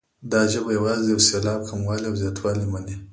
دا ژبه یوازې د یو سېلاب کموالی او زیاتوالی مني.